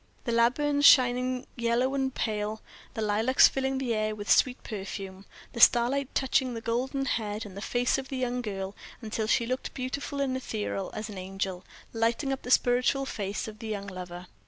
The laburnums shining yellow and pale; the lilacs filling the air with sweet perfume; the starlight touching the golden head and face of the young girl until she looked beautiful and ethereal as an angel lighting up the spiritual face of the young lover.